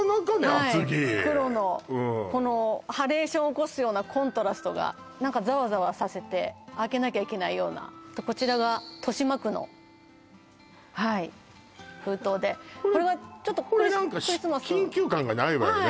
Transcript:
厚木はい黒のこのハレーションを起こすようなコントラストがザワザワさせて開けなきゃいけないようなこちらが豊島区の封筒でこれ何か緊急感がないわよね